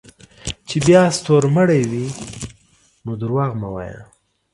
چې بیا ستورمړے وې نو دروغ مه وایه